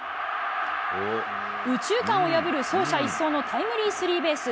右中間を破る走者一掃のタイムリースリーベース。